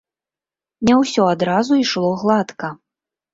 Не ўсё адразу ішло гладка.